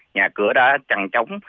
nhà cửa đã trăng trống